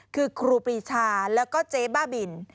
คือครูปรีชาแล้วก็เจ๊บ้าบิน